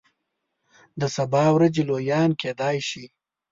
د سبا ورځې لویان کیدای شي.